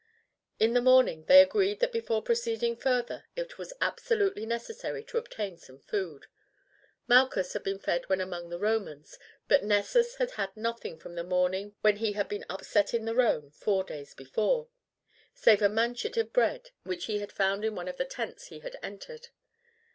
In the morning they agreed that before proceeding further it was absolutely necessary to obtain some food. Malchus had been fed when among the Romans, but Nessus had had nothing from the morning when he had been upset in the Rhone four days before, save a manchet of bread which he had found in one of the tents he had entered.